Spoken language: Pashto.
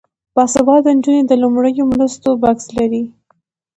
باسواده نجونې د لومړنیو مرستو بکس لري.